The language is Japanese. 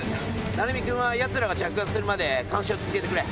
鳴海君はヤツらが着岸するまで監視を続けてくれ。